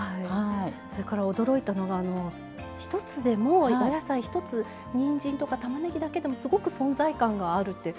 それから驚いたのが１つでもお野菜１つにんじんとかたまねぎだけでもすごく存在感があるって。